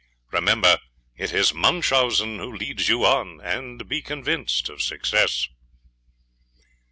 Remember it is Munchausen who leads you on, and be convinced of success."